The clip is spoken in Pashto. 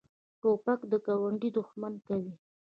توپک ګاونډي دښمن کوي.